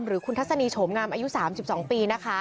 หรือคุณทัศนีโฉมงามอายุ๓๒ปีนะคะ